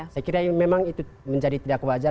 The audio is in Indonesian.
saya kira memang itu menjadi tidak wajar